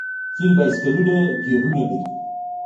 ځینې بایسکلونه ګیرونه لري.